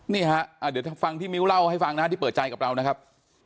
นี่ฮะเดี๋ยวฟังที่มิ้วเล่าให้ฟังนะฮะที่เปิดใจกับเรานะครับ